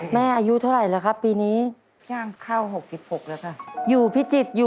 แม่อายุเท่าไหร่แล้วครับปีนี้